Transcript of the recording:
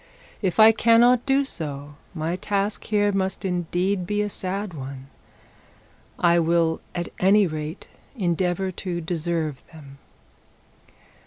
If I cannot do so, my task here must indeed be a sad one. I will at any rate endeavour to deserve them.'